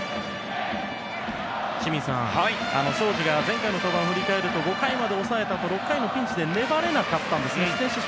清水さん、荘司が前回の登板を振り返ると５回まで抑えたあと６回のピンチで粘れなかったんですね。